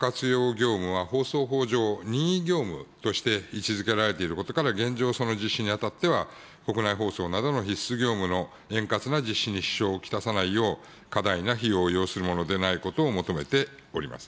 業務は、放送法上、任意業務として位置づけられていることから、現状、その実施にあたっては、国内放送などの必須業務の円滑な実施に支障を来さないよう、過大な費用を要するものでないことを求めております。